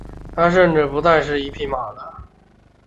他甚至不再是一匹马了。